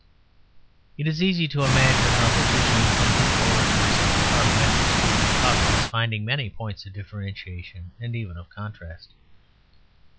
It is easy to imagine the logicians and legal orators of the parliamentary school of progress finding many points of differentiation and even of contrast.